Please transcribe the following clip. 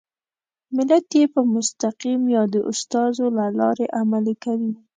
ملت یې په مستقیم یا د استازو له لارې عملي کوي.